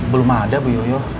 belum ada bu yoyo